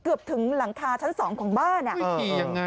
เกือบถึงหลังคาชั้นสองของบ้านอ่ะ